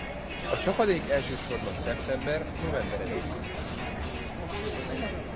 A csapadék elsősorban szeptember-november eleje között esik.